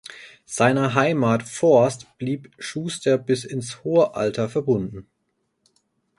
Seiner Heimat Forst blieb Schuster bis ins hohe Alter verbunden.